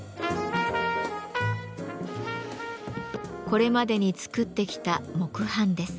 これまでに作ってきた木版です。